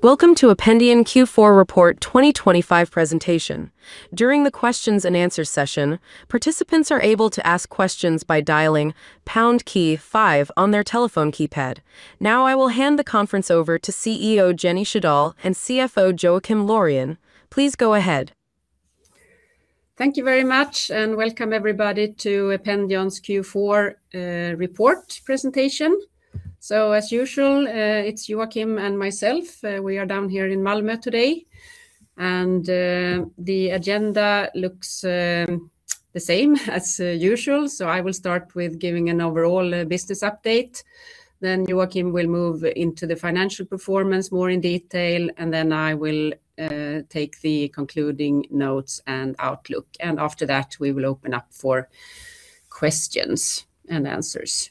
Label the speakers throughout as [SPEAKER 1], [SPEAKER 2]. [SPEAKER 1] Welcome to Ependion Q4 Report 2025 Presentation. During the questions and answers session, participants are able to ask questions by dialing pound key five on their telephone keypad. Now, I will hand the conference over to CEO Jenny Sjödahl and CFO Joakim Laurén. Please go ahead.
[SPEAKER 2] Thank you very much, and welcome everybody to Ependion's Q4 report presentation. So as usual, it's Joakim and myself. We are down here in Malmö today, and the agenda looks the same as usual. So I will start with giving an overall business update. Then Joakim will move into the financial performance more in detail, and then I will take the concluding notes and outlook. And after that, we will open up for questions and answers.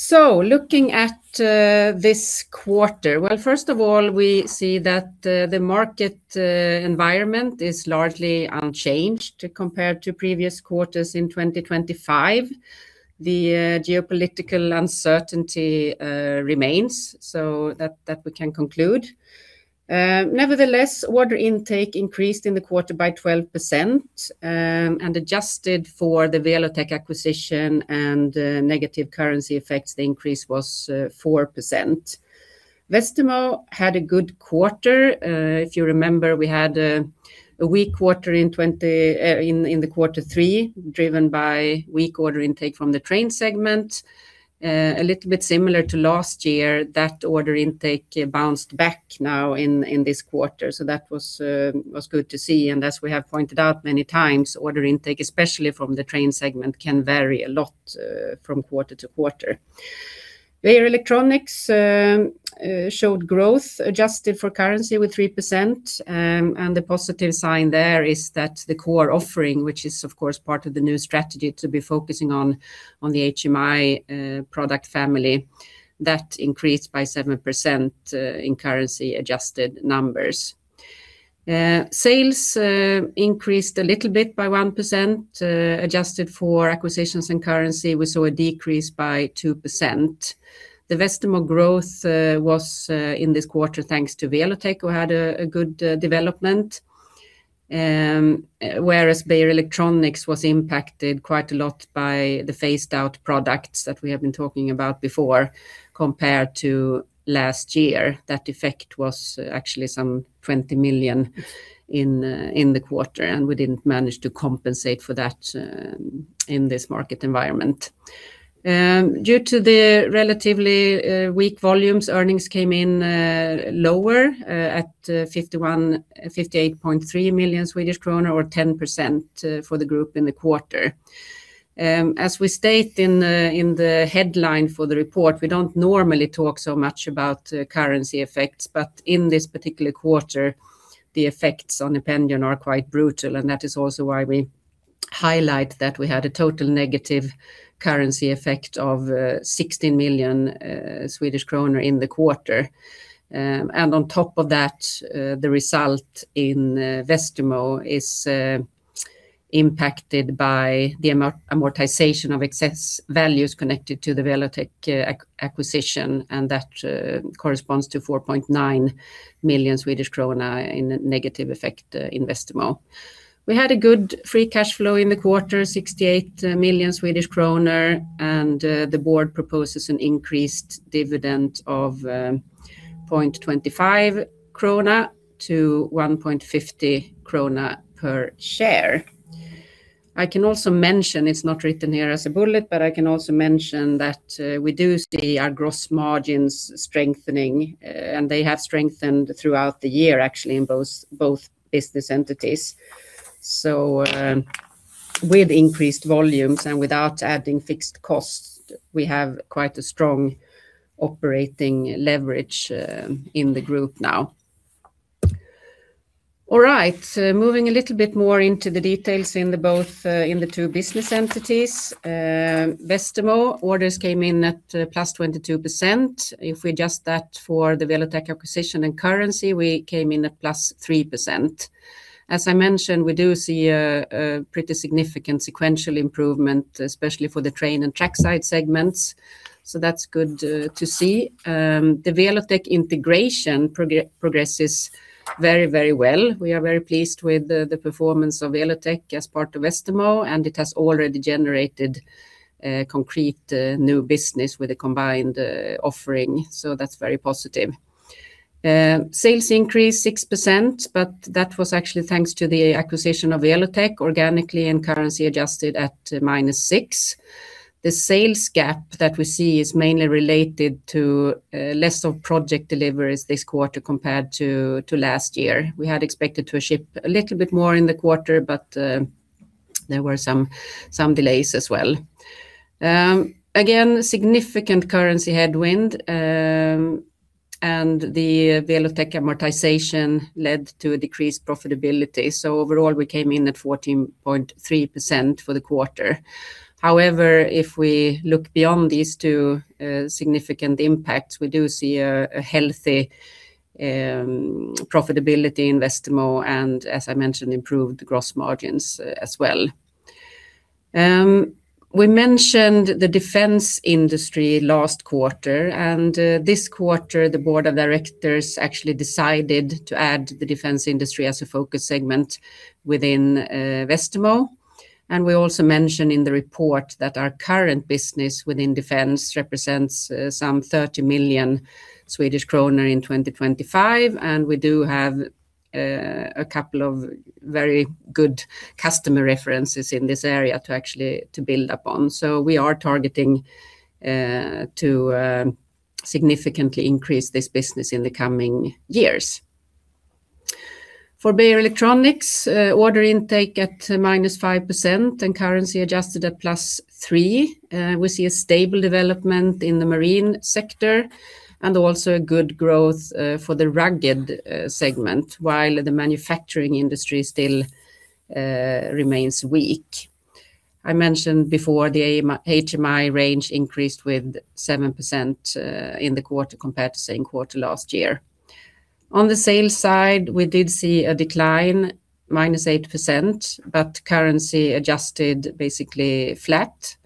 [SPEAKER 2] So looking at this quarter, well, first of all, we see that the market environment is largely unchanged compared to previous quarters in 2025. The geopolitical uncertainty remains, so that we can conclude. Nevertheless, order intake increased in the quarter by 12%, and adjusted for the Welotec acquisition and negative currency effects, the increase was 4%. Westermo had a good quarter. If you remember, we had a weak quarter in 2023, in quarter three, driven by weak order intake from the train segment. A little bit similar to last year, that order intake bounced back now in this quarter, so that was good to see. And as we have pointed out many times, order intake, especially from the train segment, can vary a lot from quarter to quarter. Beijer Electronics showed growth adjusted for currency with 3%. And the positive sign there is that the core offering, which is of course part of the new strategy to be focusing on the HMI product family, that increased by 7% in currency-adjusted numbers. Sales increased a little bit by 1%, adjusted for acquisitions and currency, we saw a decrease by 2%. The Westermo growth was in this quarter, thanks to Welotec, who had a good development. Whereas Beijer Electronics was impacted quite a lot by the phased-out products that we have been talking about before, compared to last year. That effect was actually some 20 million in the quarter, and we didn't manage to compensate for that in this market environment. Due to the relatively weak volumes, earnings came in lower at 58.3 million Swedish kronor, or 10%, for the group in the quarter. As we state in the headline for the report, we don't normally talk so much about currency effects, but in this particular quarter, the effects on Ependion are quite brutal, and that is also why we highlight that we had a total negative currency effect of 16 million Swedish kronor in the quarter. And on top of that, the result in Westermo is impacted by the amortization of excess values connected to the Welotec acquisition, and that corresponds to 4.9 million Swedish krona in a negative effect in Westermo. We had a good free cash flow in the quarter, 68 million Swedish kronor, and the board proposes an increased dividend of 0.25 krona to 1.50 krona per share. I can also mention, it's not written here as a bullet, but I can also mention that we do see our gross margins strengthening, and they have strengthened throughout the year, actually, in both business entities. So, with increased volumes and without adding fixed costs, we have quite a strong operating leverage in the group now. All right, moving a little bit more into the details in both, in the two business entities. Westermo orders came in at +22%. If we adjust that for the Welotec acquisition and currency, we came in at +3%. As I mentioned, we do see a pretty significant sequential improvement, especially for the train and trackside segments, so that's good to see. The Welotec integration progresses very, very well. We are very pleased with the performance of Welotec as part of Westermo, and it has already generated concrete new business with a combined offering, so that's very positive. Sales increased 6%, but that was actually thanks to the acquisition of Welotec, organically, and currency adjusted at -6%. The sales gap that we see is mainly related to less project deliveries this quarter compared to last year. We had expected to ship a little bit more in the quarter, but there were some delays as well. Again, significant currency headwind, and the Welotec amortization led to a decreased profitability. So overall, we came in at 14.3% for the quarter. However, if we look beyond these two significant impacts, we do see a healthy profitability in Westermo, and as I mentioned, improved gross margins as well. We mentioned the defense industry last quarter, and this quarter, the Board of Directors actually decided to add the defense industry as a focus segment within Westermo. And we also mentioned in the report that our current business within defense represents some 30 million Swedish kronor in 2025, and we do have a couple of very good customer references in this area to actually to build upon. So we are targeting to significantly increase this business in the coming years. For Beijer Electronics, order intake at -5%, and currency adjusted at +3%. We see a stable development in the marine sector, and also a good growth for the rugged segment, while the manufacturing industry still remains weak. I mentioned before, the X3-HMI range increased with 7% in the quarter compared to same quarter last year. On the sales side, we did see a decline, -8%, but currency adjusted, basically flat.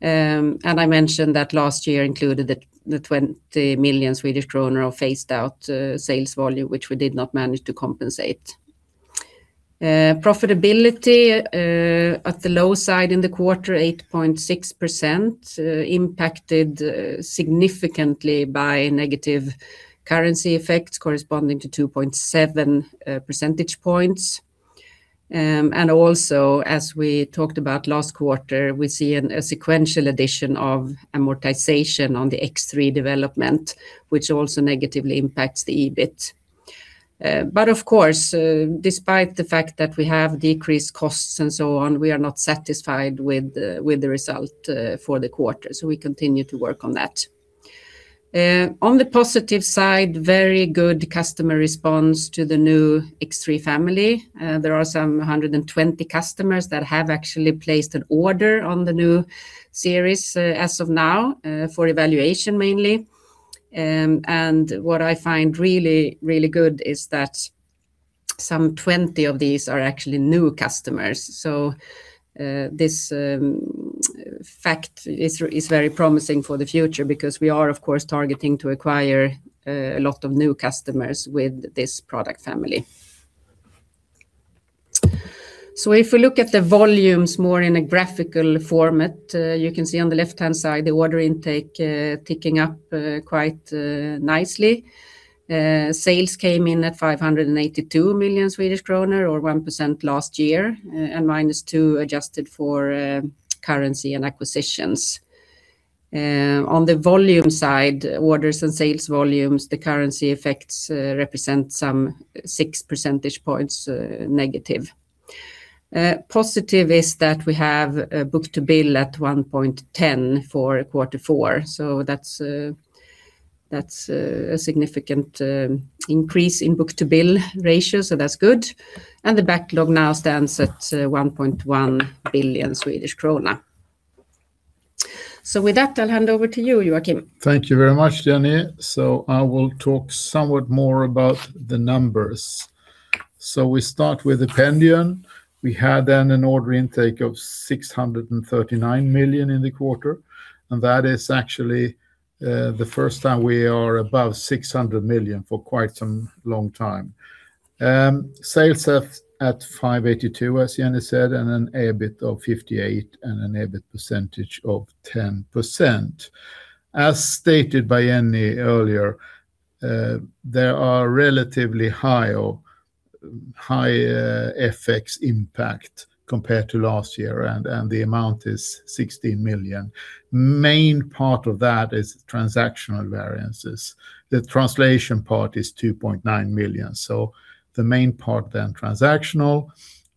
[SPEAKER 2] And I mentioned that last year included the 20 million Swedish kronor SEK of phased out sales volume, which we did not manage to compensate. Profitability at the low side in the quarter, 8.6%, impacted significantly by negative currency effects corresponding to 2.7 percentage points. And also, as we talked about last quarter, we see a sequential addition of amortization on the X3 development, which also negatively impacts the EBIT. But of course, despite the fact that we have decreased costs and so on, we are not satisfied with the result for the quarter, so we continue to work on that. On the positive side, very good customer response to the new X3 family. There are 120 customers that have actually placed an order on the new series, as of now, for evaluation mainly. And what I find really, really good is that 20 of these are actually new customers. So, this fact is very promising for the future because we are, of course, targeting to acquire a lot of new customers with this product family. So if we look at the volumes more in a graphical format, you can see on the left-hand side, the order intake ticking up quite nicely. Sales came in at 582 million Swedish kronor, or 1% last year, and -2% adjusted for currency and acquisitions. On the volume side, orders and sales volumes, the currency effects represent some 6 percentage points negative. Positive is that we have book-to-bill at 1.10x for quarter four, so that's a significant increase in book-to-bill ratio, so that's good. And the backlog now stands at 1.1 billion Swedish krona. With that, I'll hand over to you, Joakim.
[SPEAKER 3] Thank you very much, Jenny. I will talk somewhat more about the numbers. We start with Ependion. We had then an order intake of 639 million in the quarter, and that is actually the first time we are above 600 million for quite some long time. Sales at 582 million, as Jenny said, and an EBIT of 58 million, and an EBIT percentage of 10%. As stated by Jenny earlier, there are relatively high or high FX impact compared to last year, and the amount is 16 million. Main part of that is transactional variances. The translation part is 2.9 million, so the main part, then, transactional,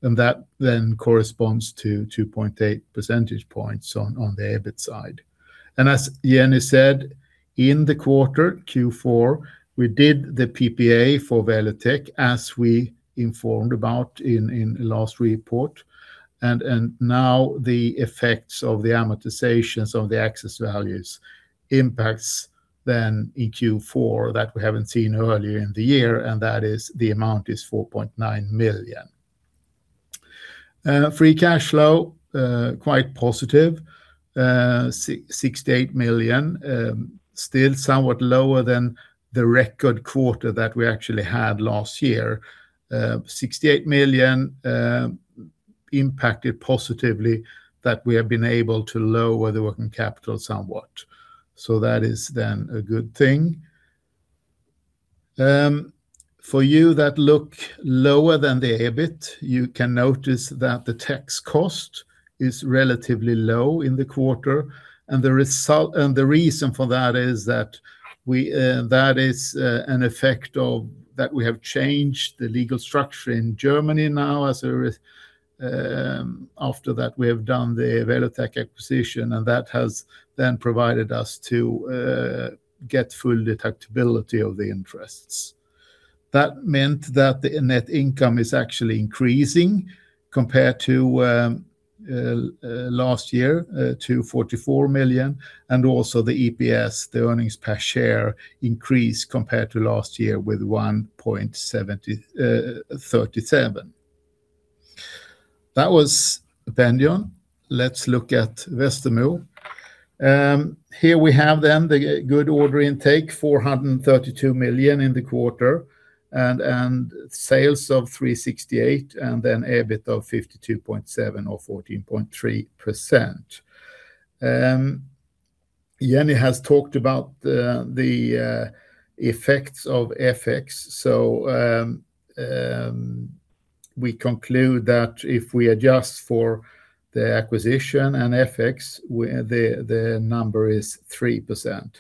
[SPEAKER 3] and that then corresponds to 2.8 percentage points on the EBIT side. As Jenny said, in the quarter, Q4, we did the PPA for Welotec, as we informed about in, in last report. Now the effects of the amortizations of the excess values impact then in Q4 that we haven't seen earlier in the year, and that is the amount is 4.9 million. Free cash flow, quite positive, 68 million. Still somewhat lower than the record quarter that we actually had last year. 68 million, impacted positively, that we have been able to lower the working capital somewhat. So that is then a good thing. For you that look lower than the EBIT, you can notice that the tax cost is relatively low in the quarter, and the reason for that is that we--that is, an effect of that we have changed the legal structure in Germany now, after that, we have done the Welotec acquisition, and that has then provided us to get full deductibility of the interests. That meant that the net income is actually increasing compared to last year to 44 million, and also the EPS, the earnings per share, increased compared to last year with 1.73. That was Ependion. Let's look at Westermo. Here we have the good order intake, 432 million in the quarter, and sales of 368 million, and then EBIT of 52.7 million or 14.3%. Jenny has talked about the effects of FX. So, we conclude that if we adjust for the acquisition and FX, where the number is 3%.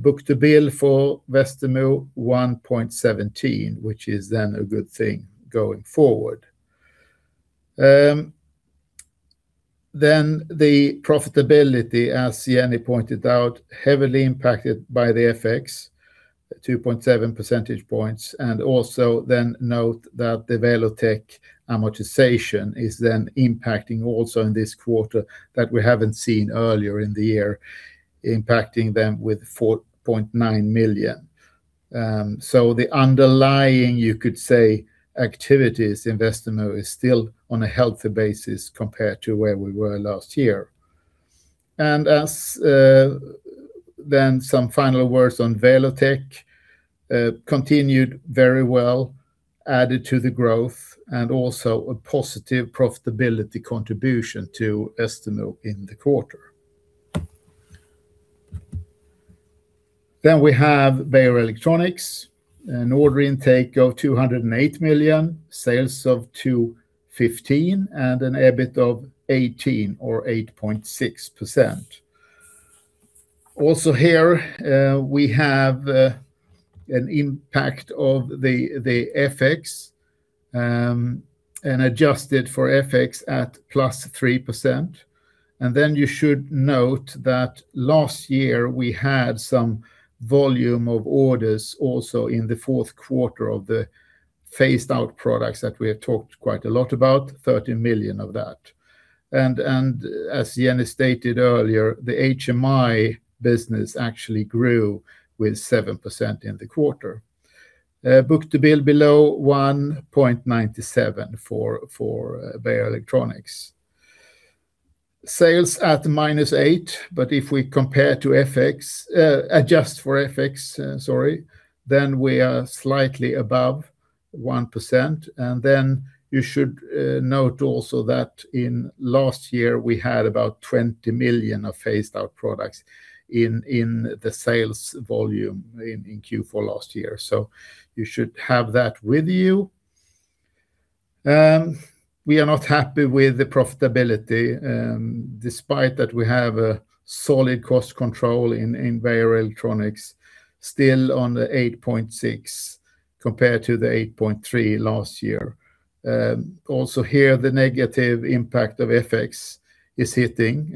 [SPEAKER 3] Book-to-bill for Westermo, 1.17x, which is then a good thing going forward. Then the profitability, as Jenny pointed out, heavily impacted by the FX, 2.7 percentage points, and also then note that the Welotec amortization is then impacting also in this quarter, that we haven't seen earlier in the year, impacting them with 4.9 million. So the underlying, you could say, activities in Westermo is still on a healthy basis compared to where we were last year. And as. Then some final words on Welotec, continued very well, added to the growth, and also a positive profitability contribution to Westermo in the quarter. Then we have Beijer Electronics, an order intake of 208 million, sales of 215 million, and an EBIT of 18.5 million or 8.6%. Also here, we have an impact of the, the FX, and adjusted for FX at +3%. And then you should note that last year we had some volume of orders also in the fourth quarter of the phased out products that we have talked quite a lot about, 30 million of that. As Jenny stated earlier, the HMI business actually grew with 7% in the quarter. Book-to-bill below 1--0.97x for Beijer Electronics. Sales at -8%, but if we compare to FX, adjust for FX, sorry, then we are slightly above 1%. Then you should note also that last year, we had about 20 million of phased-out products in the sales volume in Q4 last year. So you should have that with you. We are not happy with the profitability, despite that we have a solid cost control in Beijer Electronics, still on the 8.6%, compared to the 8.3% last year. Also here, the negative impact of FX is hitting,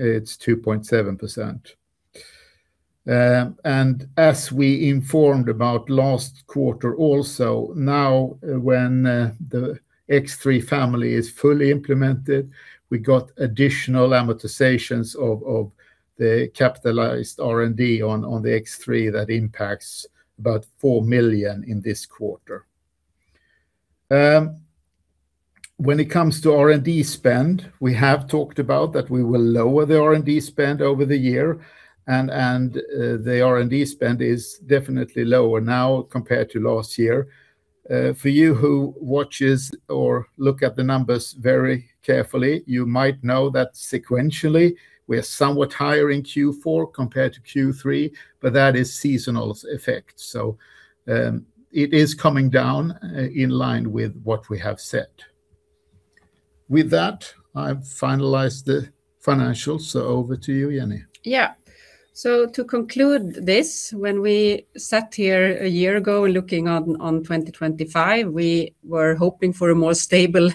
[SPEAKER 3] it's 2.7%. And as we informed about last quarter also, now, when the X3 family is fully implemented, we got additional amortizations of, of the capitalized R&D on, on the X3 that impacts about 4 million in this quarter. When it comes to R&D spend, we have talked about that we will lower the R&D spend over the year, and the R&D spend is definitely lower now compared to last year. For you who watches or look at the numbers very carefully, you might know that sequentially, we are somewhat higher in Q4 compared to Q3, but that is seasonal effect. So, it is coming down in line with what we have said. With that, I've finalized the financials, so over to you, Jenny.
[SPEAKER 2] Yeah. So to conclude this, when we sat here a year ago, looking on 2025, we were hoping for a more stable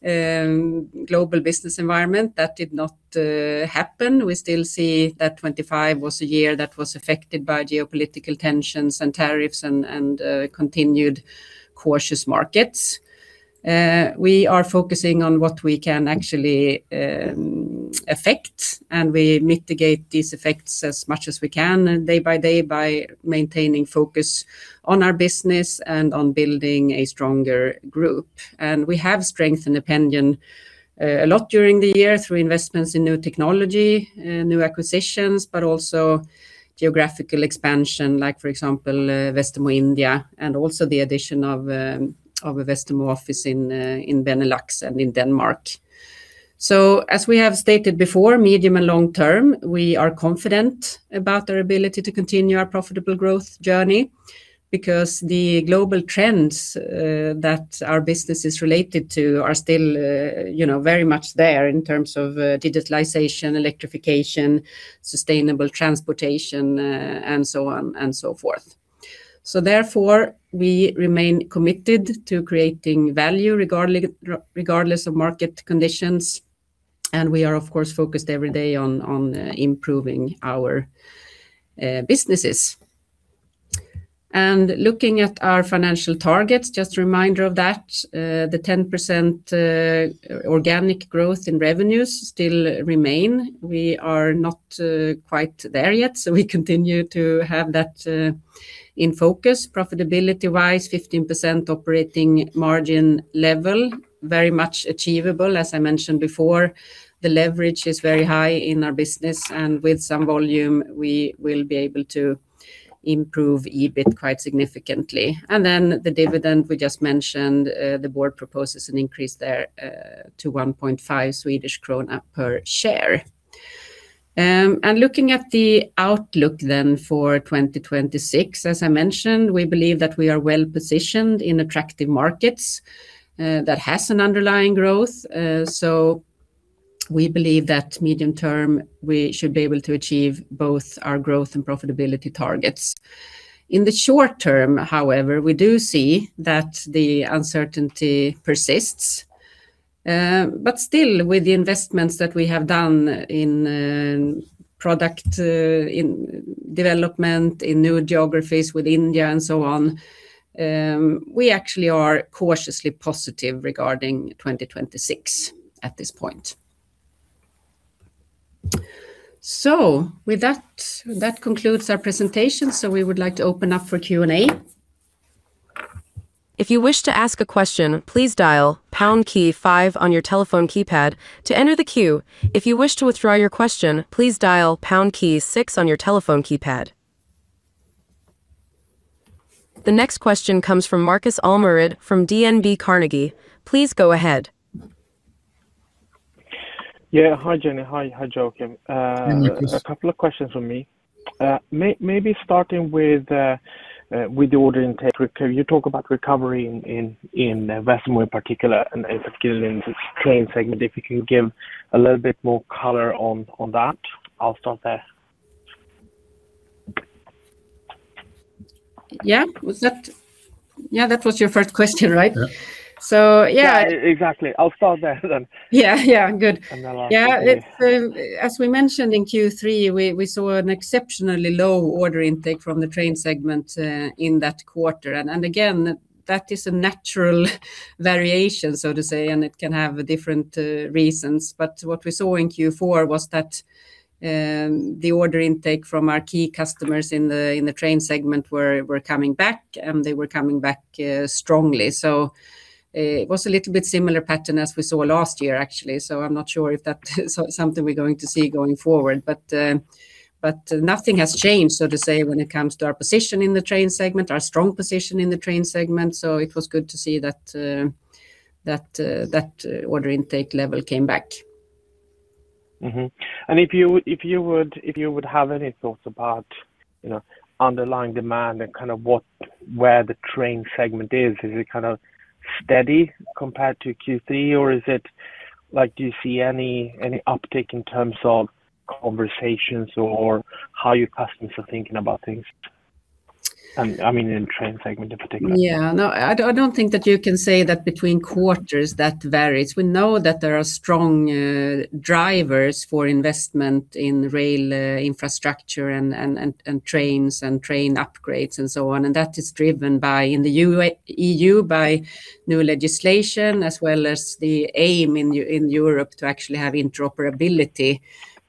[SPEAKER 2] global business environment. That did not happen. We still see that 2025 was a year that was affected by geopolitical tensions and tariffs and continued cautious markets. We are focusing on what we can actually affect, and we mitigate these effects as much as we can, day by day, by maintaining focus on our business and on building a stronger group. And we have strengthened Ependion a lot during the year through investments in new technology, new acquisitions, but also geographical expansion, like, for example, Westermo India, and also the addition of a Westermo office in Benelux and in Denmark. So, as we have stated before, medium and long term, we are confident about our ability to continue our profitable growth journey, because the global trends that our business is related to are still, you know, very much there in terms of digitalization, electrification, sustainable transportation, and so on and so forth. So therefore, we remain committed to creating value, regardless of market conditions, and we are, of course, focused every day on improving our businesses. And looking at our financial targets, just a reminder of that, the 10% organic growth in revenues still remain. We are not quite there yet, so we continue to have that in focus. Profitability-wise, 15% operating margin level, very much achievable. As I mentioned before, the leverage is very high in our business, and with some volume, we will be able to improve EBIT quite significantly. And then the dividend, we just mentioned, the board proposes an increase there, to 1.5 Swedish krona per share. And looking at the outlook then for 2026, as I mentioned, we believe that we are well positioned in attractive markets, that has an underlying growth. So we believe that medium term, we should be able to achieve both our growth and profitability targets. In the short term, however, we do see that the uncertainty persists. But still, with the investments that we have done in, product, in development, in new geographies with India and so on, we actually are cautiously positive regarding 2026 at this point. With that, that concludes our presentation. We would like to open up for Q&A.
[SPEAKER 1] If you wish to ask a question, please dial pound key five on your telephone keypad to enter the queue. If you wish to withdraw your question, please dial pound key six on your telephone keypad. The next question comes from Markus Almerud from DNB Carnegie. Please go ahead.
[SPEAKER 4] Yeah. Hi, Jenny. Hi, hi, Joakim.
[SPEAKER 3] Hi, Markus.
[SPEAKER 4] A couple of questions from me. Maybe starting with the order intake. You talk about recovery in Westermo in particular, and particularly in the train segment, if you can give a little bit more color on that. I'll start there.
[SPEAKER 2] Yeah, that was your first question, right?
[SPEAKER 4] Yeah.
[SPEAKER 2] So, yeah.
[SPEAKER 4] Yeah, exactly. I'll start there then.
[SPEAKER 2] Yeah, yeah. Good.
[SPEAKER 4] And then last question.
[SPEAKER 2] Yeah, it's as we mentioned in Q3, we saw an exceptionally low order intake from the train segment in that quarter. And again, that is a natural variation, so to say, and it can have different reasons. But what we saw in Q4 was that the order intake from our key customers in the train segment were coming back, and they were coming back strongly. So it was a little bit similar pattern as we saw last year, actually. So I'm not sure if that is something we're going to see going forward, but nothing has changed, so to say, when it comes to our position in the train segment, our strong position in the train segment. So it was good to see that order intake level came back.
[SPEAKER 4] And if you would have any thoughts about, you know, underlying demand and kind of what, where the train segment is. Is it kind of steady compared to Q3, or is it, like, do you see any uptick in terms of conversations or how your customers are thinking about things? I mean, in train segment, in particular.
[SPEAKER 2] Yeah, no, I don't think that you can say that between quarters, that varies. We know that there are strong drivers for investment in rail infrastructure and trains and train upgrades and so on. And that is driven by, in the E.U., by new legislation, as well as the aim in Europe to actually have interoperability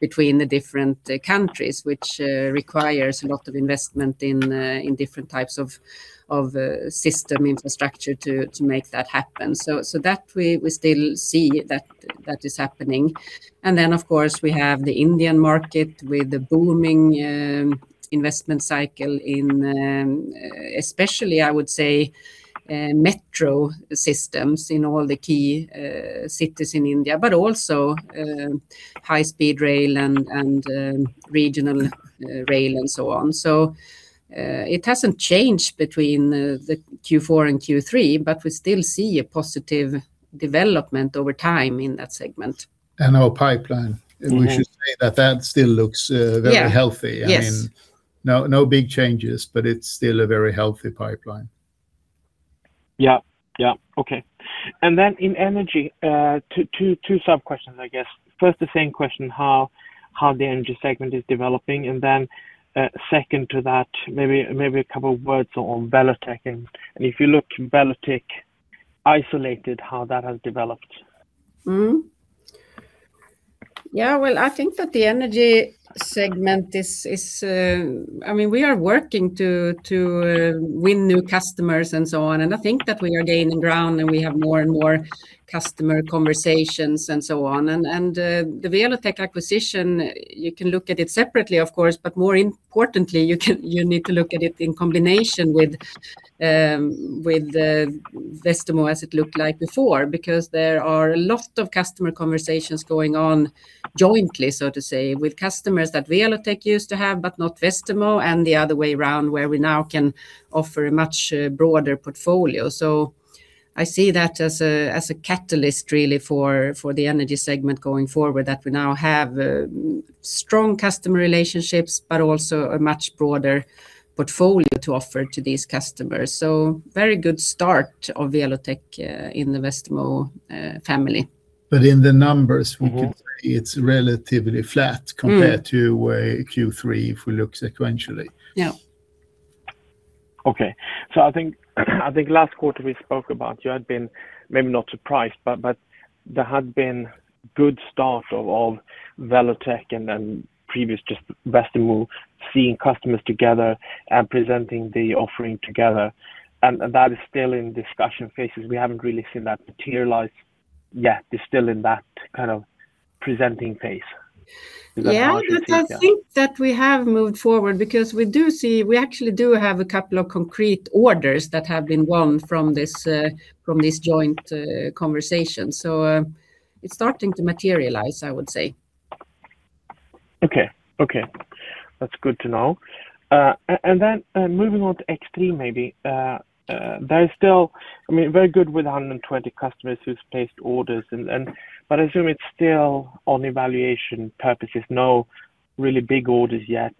[SPEAKER 2] between the different countries, which requires a lot of investment in different types of system infrastructure to make that happen. So that we still see that that is happening. And then, of course, we have the Indian market with the booming investment cycle in, especially, I would say, metro systems in all the key cities in India, but also high-speed rail and regional rail and so on. It hasn't changed between the Q4 and Q3, but we still see a positive development over time in that segment.
[SPEAKER 3] And our pipeline, we should say that that still looks, very healthy.
[SPEAKER 2] Yeah. Yes.
[SPEAKER 3] I mean, no, no big changes, but it's still a very healthy pipeline.
[SPEAKER 4] Yeah. Okay. And then in energy, two sub-questions, I guess. First, the same question, how the energy segment is developing, and then, second to that, maybe a couple of words on Welotec. And if you look Welotec isolated, how that has developed.
[SPEAKER 2] Yeah, well, I think that the energy segment is. I mean, we are working to win new customers and so on, and I think that we are gaining ground, and we have more and more customer conversations and so on. And the Welotec acquisition, you can look at it separately, of course, but more importantly, you need to look at it in combination with Westermo, as it looked like before. Because there are a lot of customer conversations going on jointly, so to say, with customers that Welotec used to have, but not Westermo, and the other way around, where we now can offer a much broader portfolio. So I see that as a catalyst, really, for, for the energy segment going forward, that we now have strong customer relationships, but also a much broader portfolio to offer to these customers. So very good start of Welotec in the Westermo family.
[SPEAKER 3] But in the numbers, we could say it's relatively flat compared to Q3, if we look sequentially.
[SPEAKER 2] Yeah.
[SPEAKER 4] Okay. So I think, I think last quarter we spoke about you had been maybe not surprised, but there had been good start of Welotec and then previous just Westermo seeing customers together and presenting the offering together, and that is still in discussion phases. We haven't really seen that materialize yet. It's still in that kind of presenting phase. Is that how you see it? Yeah.
[SPEAKER 2] Yeah, but I think that we have moved forward because we do see, we actually do have a couple of concrete orders that have been won from this, from this joint conversation. So, it's starting to materialize, I would say.
[SPEAKER 4] Okay. That's good to know. And then, moving on to X3, maybe, there is still-- I mean, very good with 120 customers who's placed orders and, but I assume it's still on evaluation purposes, no really big orders yet.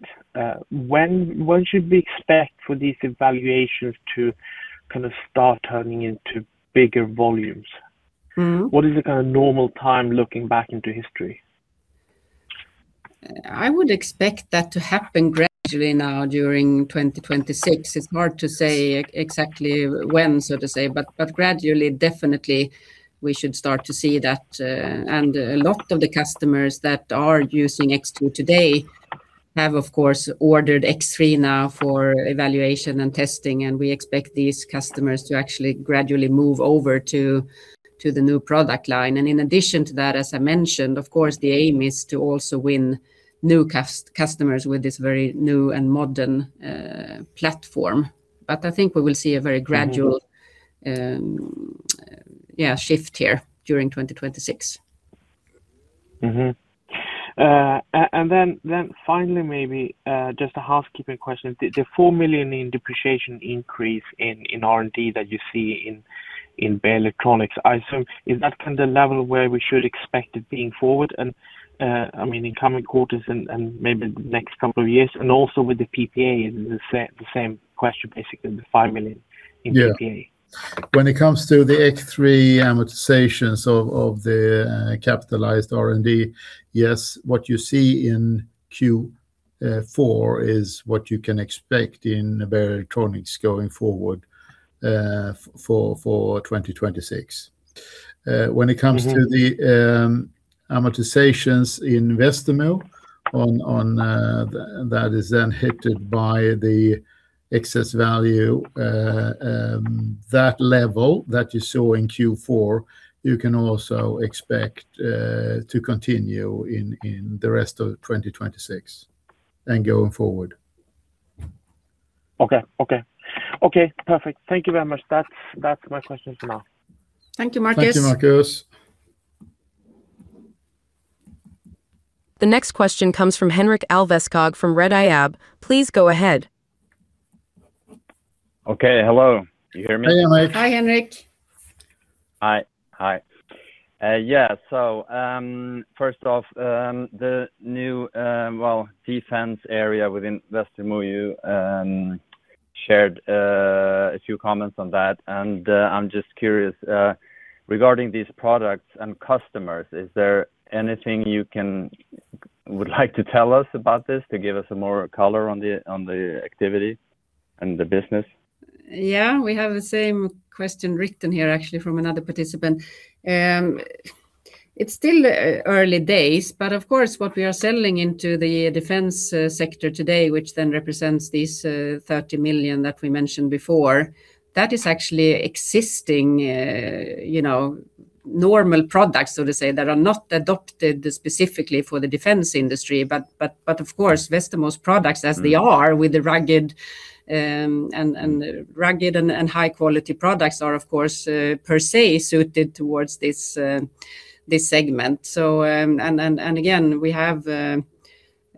[SPEAKER 4] When should we expect for these evaluations to kind of start turning into bigger volumes? What is the kind of normal time looking back into history?
[SPEAKER 2] I would expect that to happen gradually now during 2026. It's hard to say exactly when, so to say, but gradually, definitely, we should start to see that. And a lot of the customers that are using X2 today have, of course, ordered X3 now for evaluation and testing, and we expect these customers to actually gradually move over to the new product line. And in addition to that, as I mentioned, of course, the aim is to also win new customers with this very new and modern platform. But I think we will see a very gradual, yeah, shift here during 2026.
[SPEAKER 4] And then, finally, maybe just a housekeeping question. The 4 million in depreciation increase in Beijer Electronics, I assume, is that kind of level where we should expect it being forward, I mean, in coming quarters and maybe next couple of years, and also with the PPA, is the same question, basically, the 5 million in PPA?
[SPEAKER 3] Yeah. When it comes to the X3 amortizations of the capitalized R&D, yes, what you see in Q4 is what you can expect in Beijer Electronics going forward, for 2026. When it comes to the amortizations in Westermo that is then hit by the excess value that level that you saw in Q4, you can also expect to continue in the rest of 2026 and going forward.
[SPEAKER 4] Okay, perfect. Thank you very much. That's, that's my questions for now.
[SPEAKER 2] Thank you, Markus.
[SPEAKER 3] Thank you, Markus.
[SPEAKER 1] The next question comes from Henrik Alveskog from Redeye. Please go ahead.
[SPEAKER 5] Okay. Hello, you hear me?
[SPEAKER 3] Hey, Henrik.
[SPEAKER 2] Hi, Henrik.
[SPEAKER 5] Hi. Yeah, so, first off, the new, well, defense area within Westermo, you shared a few comments on that. I'm just curious, regarding these products and customers, is there anything you can-- would like to tell us about this to give us more color on the, on the activity and the business?
[SPEAKER 2] Yeah, we have the same question written here, actually, from another participant. It's still early days, but of course, what we are selling into the defense sector today, which then represents these 30 million that we mentioned before, that is actually existing, you know, normal products, so to say, that are not adopted specifically for the defense industry. But of course, Westermo's products, as they are, with the rugged and high quality products are, of course, per se, suited towards this segment. So, and again, we have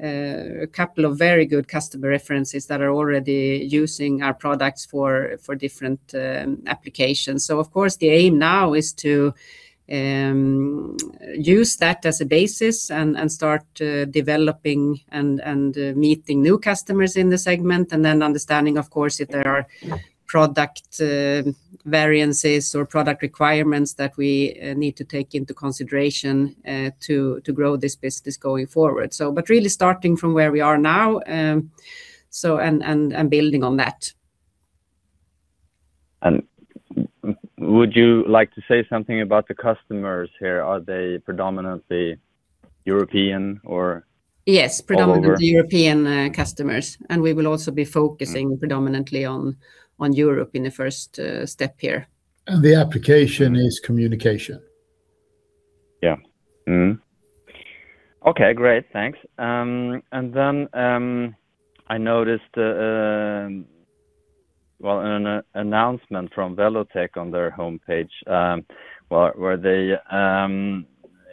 [SPEAKER 2] a couple of very good customer references that are already using our products for different applications. So of course, the aim now is to use that as a basis and start developing and meeting new customers in the segment, and then understanding, of course, if there are product variances or product requirements that we need to take into consideration to grow this business going forward. So but really starting from where we are now, so and building on that.
[SPEAKER 5] Would you like to say something about the customers here? Are they predominantly European or--
[SPEAKER 2] Yes. Predominantly European, customers, and we will also be focusing predominantly on Europe in the first step here.
[SPEAKER 3] The application is communication.
[SPEAKER 5] Yeah. Okay, great. Thanks. And then I noticed, well, an announcement from Welotec on their homepage, where they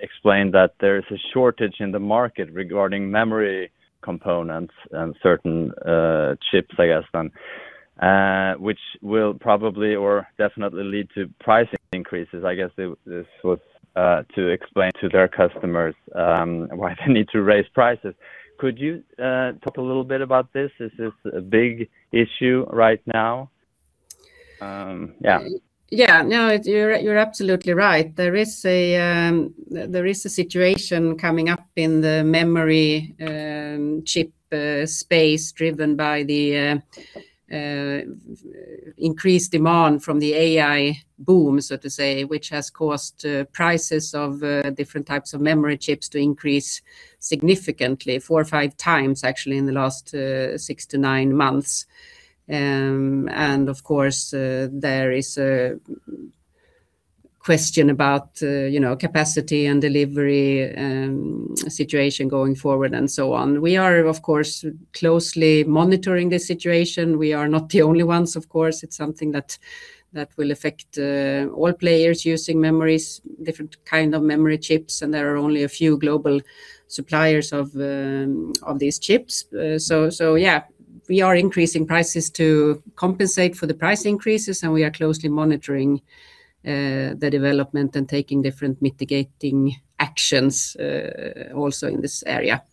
[SPEAKER 5] explained that there is a shortage in the market regarding memory components and certain chips, I guess, then, which will probably or definitely lead to pricing increases. I guess this was to explain to their customers why they need to raise prices. Could you talk a little bit about this? Is this a big issue right now? Yeah.
[SPEAKER 2] Yeah, no, you're absolutely right. There is a situation coming up in the memory chip space, driven by the increased demand from the AI boom, so to say, which has caused prices of different types of memory chips to increase significant, 4x or 5x, actually, in the last six to nine months. Of course, there is a question about, you know, capacity and delivery situation going forward, and so on. We are, of course, closely monitoring the situation. We are not the only ones, of course. It's something that will affect all players using memories, different kind of memory chips, and there are only a few global suppliers of these chips. So, yeah, we are increasing prices to compensate for the price increases, and we are closely monitoring the development and taking different mitigating actions also in this area.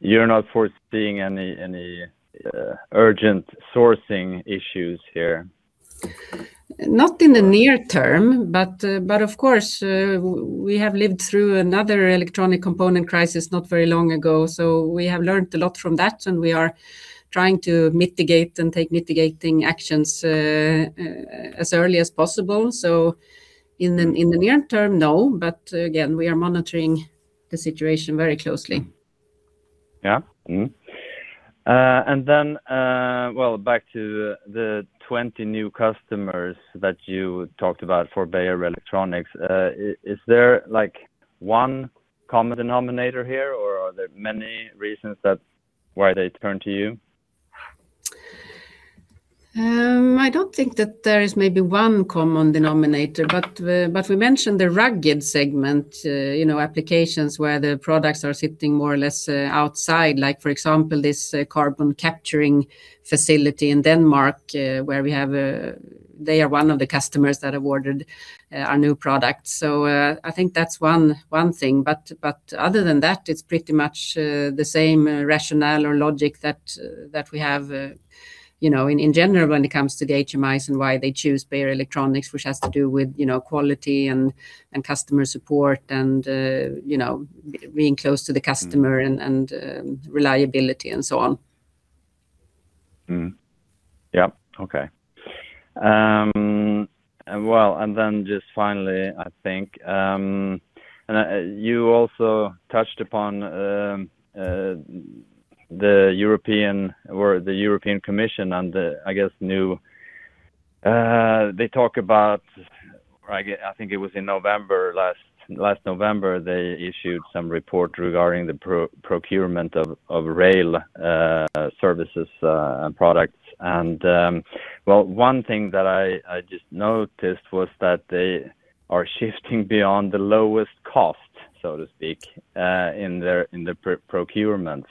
[SPEAKER 5] You're not foreseeing any urgent sourcing issues here?
[SPEAKER 2] Not in the near term, but of course, we have lived through another electronic component crisis not very long ago, so we have learned a lot from that, and we are trying to mitigate and take mitigating actions, as early as possible. So in the near term, no, but again, we are monitoring the situation very closely.
[SPEAKER 5] Yeah. And then, well, back to the 20 new customers that you talked about for Beijer Electronics. Is there, like, one common denominator here, or are there many reasons that's why they turn to you?
[SPEAKER 2] I don't think that there is maybe one common denominator, but we mentioned the rugged segment, you know, applications where the products are sitting more or less outside, like, for example, this carbon capturing facility in Denmark, where we have. They are one of the customers that awarded our new product. So, I think that's one thing, but other than that, it's pretty much the same rationale or logic that we have, you know, in general when it comes to the HMIs and why they choose Beijer Electronics, which has to do with, you know, quality and customer support and, you know, being close to the customer and reliability and so on.
[SPEAKER 5] Yep. Okay. And well, and then just finally, I think, and you also touched upon the European or the European Commission and the, I guess, new. They talk about, I think it was in November, last November, they issued some report regarding the procurement of rail services and products. And well, one thing that I just noticed was that they are shifting beyond the lowest cost, so to speak, in their procurement.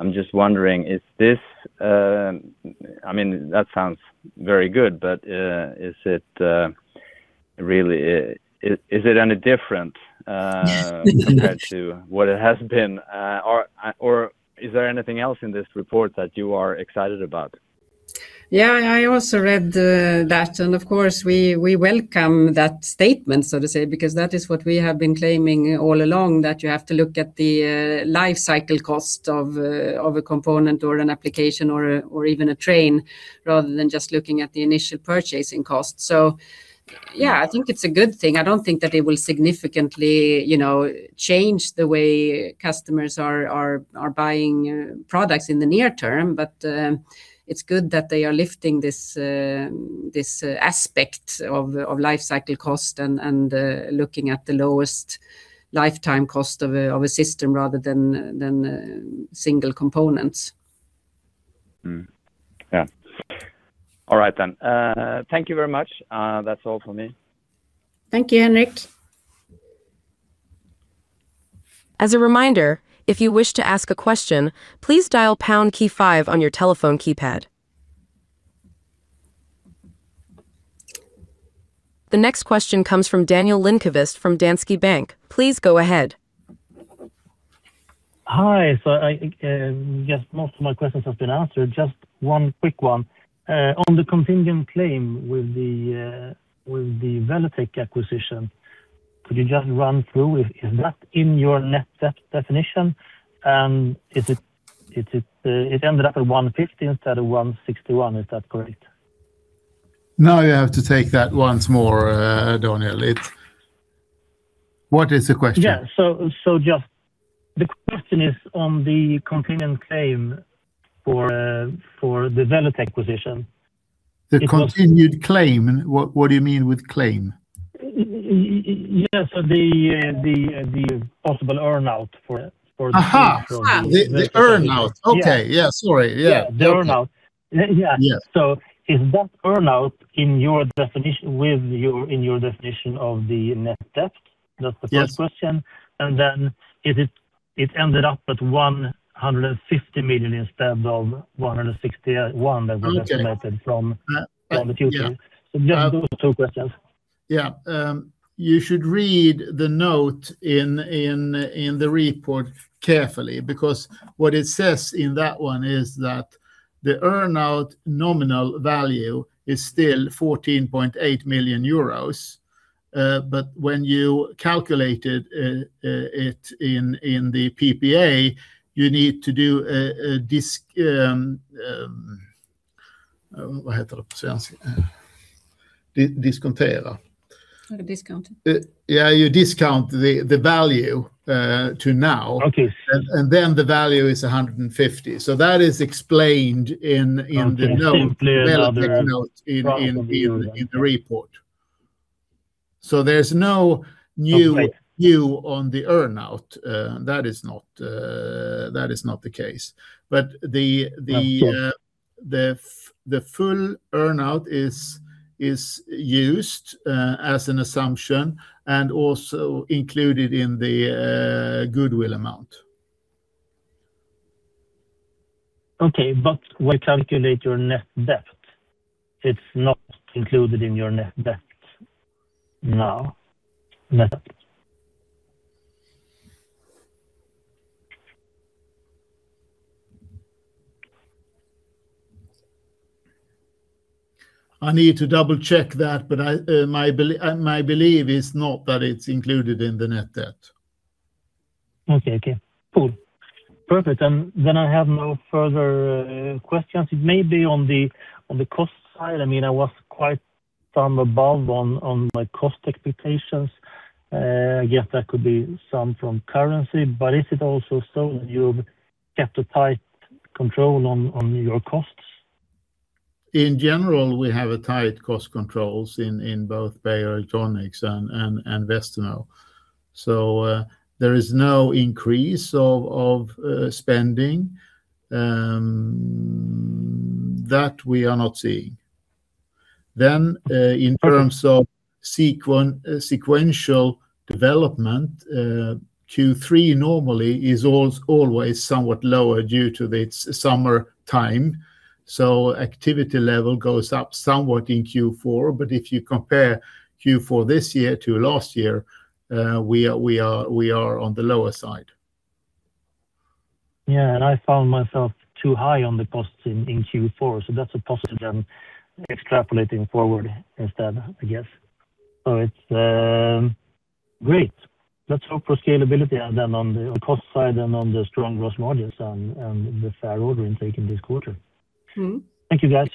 [SPEAKER 5] I'm just wondering, is this--I mean, that sounds very good, but is it really, is it any different compared to what it has been? Or is there anything else in this report that you are excited about?
[SPEAKER 2] Yeah, I also read that, and of course, we welcome that statement, so to say, because that is what we have been claiming all along, that you have to look at the life cycle cost of a component or an application or even a train, rather than just looking at the initial purchasing cost. So yeah, I think it's a good thing. I don't think that it will significantly, you know, change the way customers are buying products in the near term, but it's good that they are lifting this aspect of life cycle cost and looking at the lowest lifetime cost of a system, rather than single components.
[SPEAKER 5] Yeah. All right then. Thank you very much. That's all for me.
[SPEAKER 2] Thank you, Henrik.
[SPEAKER 1] As a reminder, if you wish to ask a question, please dial pound key five on your telephone keypad. The next question comes from Daniel Lindkvist, from Danske Bank. Please go ahead.
[SPEAKER 6] Hi. So I guess most of my questions have been answered. Just one quick one. On the contingent claim with the Welotec acquisition, could you just run through, is that in your net debt definition? And is it, it ended up at 150 million instead of 161 million, is that correct?
[SPEAKER 2] Now you have to take that once more, Daniel. What is the question?
[SPEAKER 6] Yeah. So, just the question is on the continuing claim for the Welotec acquisition.
[SPEAKER 2] The continued claim? What, what do you mean with claim?
[SPEAKER 6] Yes, the possible earn-out for the--
[SPEAKER 2] Aha! Ah, the earn-out.
[SPEAKER 6] Yes.
[SPEAKER 2] Okay. Yeah, sorry. Yeah.
[SPEAKER 6] Yeah, the earn-out. Is that earn-out in your definition of the net debt? That's the first question. And then is it, it ended up at 150 million instead of 161 million that was estimated from the future. Just those two questions.
[SPEAKER 3] Yeah, you should read the note in the report carefully, because what it says in that one is that the earn-out nominal value is still 14.8 million euros. But when you calculated it in the PPA, you need to do a dis--
[SPEAKER 2] Discount?
[SPEAKER 3] Yeah, you discount the value to now.
[SPEAKER 6] Okay.
[SPEAKER 3] The value is 150 million. That is explained in the note. Note in the report. So there's no view on the earn-out. That is not the case. But the full earn-out is used as an assumption and also included in the goodwill amount.
[SPEAKER 6] Okay, but when you calculate your net debt, it's not included in your net debt now, net?
[SPEAKER 3] I need to double-check that, but I, my belief is not that it's included in the net debt.
[SPEAKER 6] Okay, okay. Cool. Perfect. And then I have no further questions. It may be on the cost side, I mean, I was quite thumb above on my cost expectations. I guess that could be some from currency, but is it also so that you've kept a tight control on your costs?
[SPEAKER 3] In general, we have a tight cost controls in both Beijer Electronics and Westermo. So, there is no increase of spending. That we are not seeing. Then, in terms of sequential development, Q3 normally is always somewhat lower due to its summer time, so activity level goes up somewhat in Q4. But if you compare Q4 this year to last year, we are on the lower side.
[SPEAKER 6] Yeah, and I found myself too high on the costs in Q4, so that's a positive I'm extrapolating forward instead, I guess. So it's great. Let's hope for scalability then on cost side and on the strong growth margins and the fair order intake in this quarter. Thank you, guys.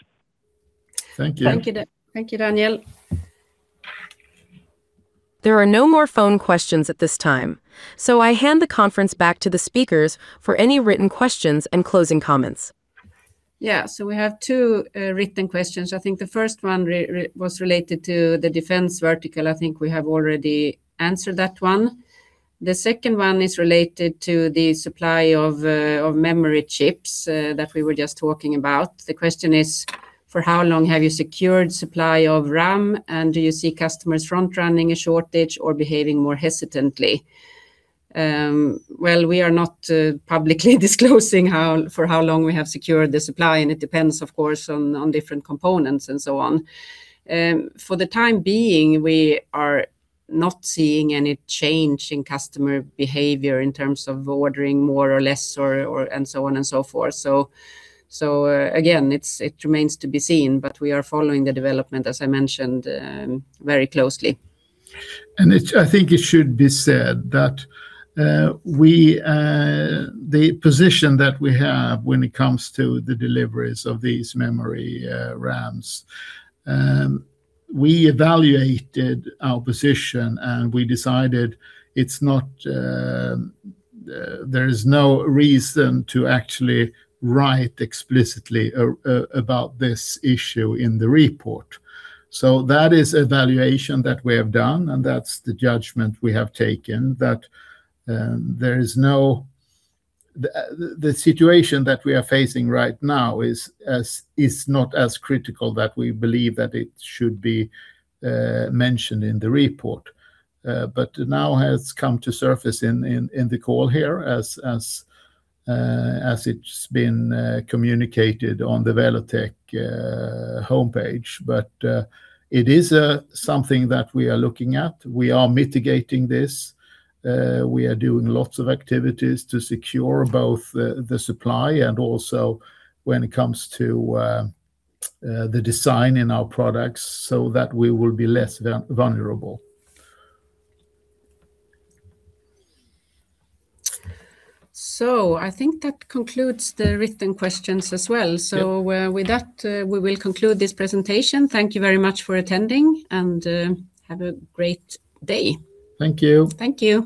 [SPEAKER 3] Thank you.
[SPEAKER 2] Thank you, thank you, Daniel.
[SPEAKER 1] There are no more phone questions at this time, so I hand the conference back to the speakers for any written questions and closing comments.
[SPEAKER 2] Yeah, so we have two written questions. I think the first one was related to the defense vertical. I think we have already answered that one. The second one is related to the supply of memory chips that we were just talking about. The question is: for how long have you secured supply of RAM, and do you see customers front-running a shortage or behaving more hesitantly? Well, we are not publicly disclosing how for how long we have secured the supply, and it depends, of course, on different components and so on. For the time being, we are not seeing any change in customer behavior in terms of ordering more or less, and so on and so forth. So, again, it remains to be seen, but we are following the development, as I mentioned, very closely.
[SPEAKER 3] I think it should be said that we -- the position that we have when it comes to the deliveries of these memory RAMs. We evaluated our position, and we decided it's not. There is no reason to actually write explicitly about this issue in the report. So that is evaluation that we have done, and that's the judgment we have taken, that there is no the situation that we are facing right now is not as critical that we believe that it should be mentioned in the report. But now has come to surface in the call here as it's been communicated on the Welotec homepage. But it is something that we are looking at. We are mitigating this. We are doing lots of activities to secure both the supply and also when it comes to the design in our products, so that we will be less vulnerable.
[SPEAKER 2] I think that concludes the written questions as well. So, with that, we will conclude this presentation. Thank you very much for attending, and, have a great day.
[SPEAKER 3] Thank you.
[SPEAKER 2] Thank you.